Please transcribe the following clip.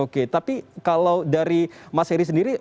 oke tapi kalau dari mas heri sendiri